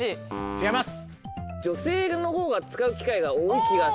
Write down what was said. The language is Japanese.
違います。